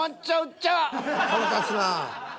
腹立つな。